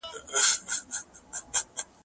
زه بايد وخت ونیسم؟